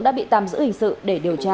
đã bị tàm giữ hình sự để điều tra